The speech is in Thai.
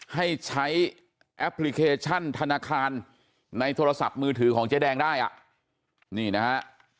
ให้ใช้แอปพลิเคชันธนาคารในโทรศัพท์มือถือของเจ๊แดงได้อ่ะนี่นะฮะ